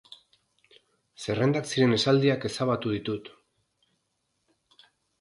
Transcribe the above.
Zerrendak ziren esaldiak ezabatu ditut.